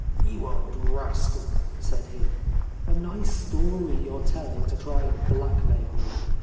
' You old rascal !' said he. ' A nice story you are telling to try and blackmail me